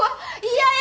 嫌や！